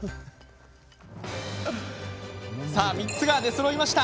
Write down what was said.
さあ、３つが出そろいました。